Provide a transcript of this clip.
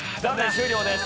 終了です。